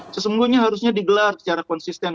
sesungguhnya harusnya digelar secara konsisten